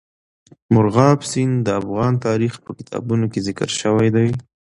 مورغاب سیند د افغان تاریخ په کتابونو کې ذکر شوی دی.